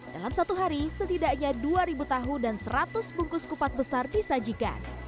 dalam satu hari setidaknya dua tahu dan seratus bungkus kupat besar disajikan